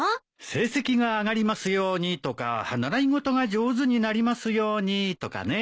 成績が上がりますようにとか習い事が上手になりますようにとかね。